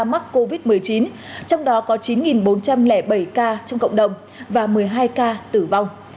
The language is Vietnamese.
mắc covid một mươi chín trong đó có chín bốn trăm linh bảy ca trong cộng đồng và một mươi hai ca tử vong